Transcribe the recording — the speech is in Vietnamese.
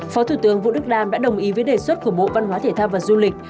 phó thủ tướng vũ đức đam đã đồng ý với đề xuất của bộ văn hóa thể thao và du lịch